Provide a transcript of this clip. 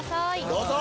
どうぞ！